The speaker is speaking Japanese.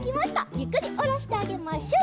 ゆっくりおろしてあげましょう。